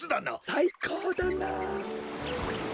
さいこうだなあ。